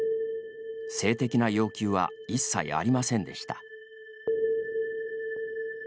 性的な要求は一切ありませんでした。